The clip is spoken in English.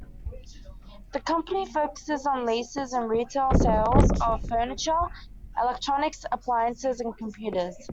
The company focuses on leases and retail sales of furniture, electronics, appliances, and computers.